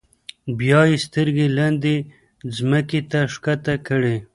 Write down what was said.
بیا یې سترګې لاندې ځمکې ته ښکته کړې.